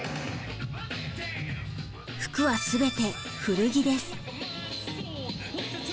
服はすべて古着です。